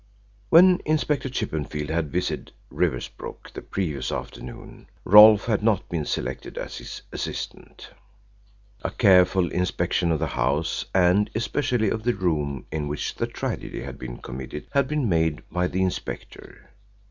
When Inspector Chippenfield had visited Riversbrook the previous afternoon, Rolfe had not been selected as his assistant. A careful inspection of the house and especially of the room in which the tragedy had been committed had been made by the inspector.